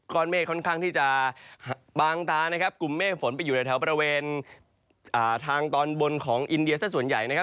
อนเมฆค่อนข้างที่จะบางตานะครับกลุ่มเมฆฝนไปอยู่ในแถวบริเวณทางตอนบนของอินเดียสักส่วนใหญ่นะครับ